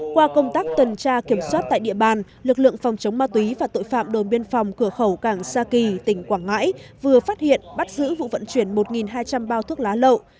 qua công tác tuần tra kiểm soát tại địa bàn lực lượng phòng chống ma túy và tội phạm đồn biên phòng cửa khẩu cảng sa kỳ tỉnh quảng ngãi vừa phát hiện bắt giữ vụ vận chuyển một hai trăm linh bao thuốc lá lậu